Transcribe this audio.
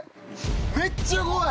めっちゃ怖い！